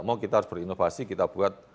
mau kita harus berinovasi kita buat